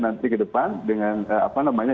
nanti ke depan dengan apa namanya